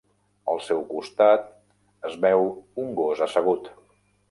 Al seu costat es veu un gos assegut.